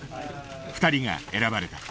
２人が選ばれた。